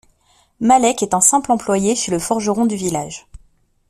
Malec est un simple employé chez le forgeron du village.